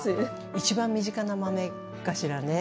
一番身近な豆かしらね。